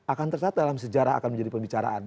akan terlihat dalam sejarah akan menjadi pembicaraan